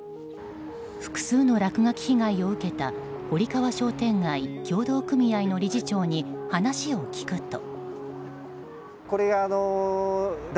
複数の落書き被害を受けた堀川商店街協同組合の理事長に話を聞くと。